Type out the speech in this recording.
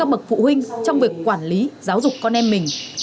các bậc phụ huynh trong việc quản lý giáo dục con em mình